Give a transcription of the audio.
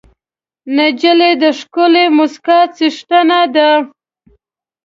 نجلۍ د ښکلې موسکا څښتنه ده.